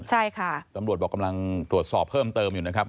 ตำรวจเขากำลังกำลังตรวจสอบเพิ่มเติมอยู่นะครับ